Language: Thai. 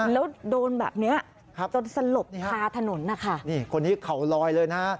แล้วโดนแบบนี้จนสลบทาถนนนะคะคนนี้เขาลอยเลยนะ